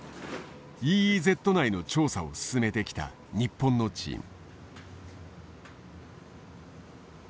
ＥＥＺ内の調査を進めてきた日本のチーム。